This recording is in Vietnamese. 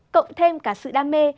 cộng thêm cả sự đam mê